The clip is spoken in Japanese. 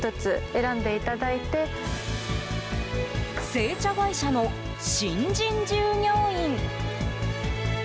製茶会社の新人従業員。